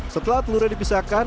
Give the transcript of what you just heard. setelah telurnya dipisahkan